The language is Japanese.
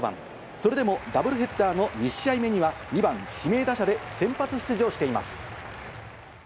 それでもダブルヘッダーの２試合目には２番・指名打者で先発出場しています。